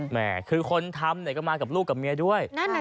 แม่คือคนทำก็มากับลูกกับเมียด้วย